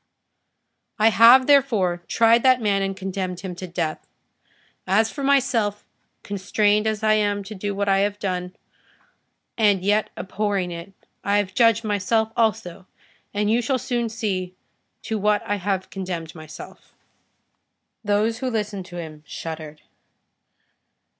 I have, therefore, tried that man, and condemned him to death. As for myself, constrained as I am to do what I have done, and yet abhorring it, I have judged myself also, and you shall soon see to what I have condemned myself." Those who listened to him shuddered.